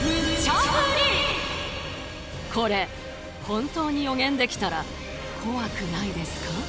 これ本当に予言できたら怖くないですか？